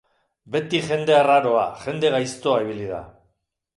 Beti jende arraroa, jende gaiztoa ibili da.